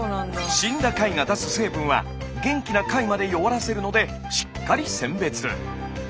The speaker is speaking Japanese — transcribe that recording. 死んだ貝が出す成分は元気な貝まで弱らせるのでしっかり選別。